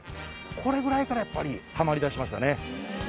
これぐらいからやっぱりハマり出しましたね